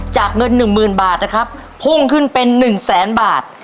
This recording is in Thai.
จากเงินหนึ่งหมื่นบาทนะครับพ่งขึ้นเป็นหนึ่งแสนบาท